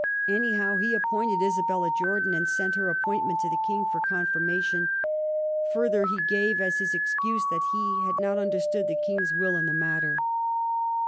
Anyhow, he appointed Isabella Jordan, and sent her appointment to the king for confirmation ; further, he gave as his excuse that he had not understood the king's will in the matter.